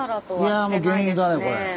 いやもう原油だねこれ。